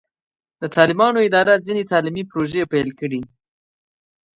د طالبانو اداره ځینې تعلیمي پروژې پیل کړې.